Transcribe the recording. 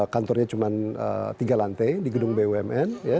kantornya cuma tiga lantai di gedung bumn